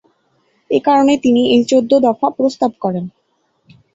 এ কারণে তিনি এই চৌদ্দ দফা প্রস্তাব করেন।